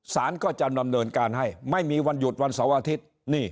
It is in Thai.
สารก็จะดำเนินการให้ไม่มีวันหยุดวันเสาร์อาทิตย์